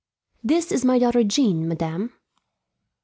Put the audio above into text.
"This is my daughter Jean, madame.